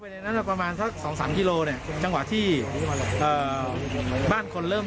ยิงต่อสู้ไปตลอด